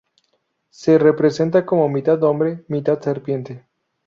Se representa como mitad hombre mitad serpiente.